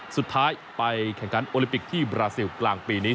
สุดท้ายไปแข่งขันโอลิปิกที่บราซิลกลางปีนี้